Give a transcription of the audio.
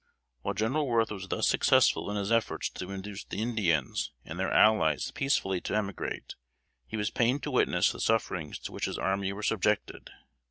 While General Worth was thus successful in his efforts to induce the Indians and their allies peacefully to emigrate, he was pained to witness the sufferings to which his army were subjected.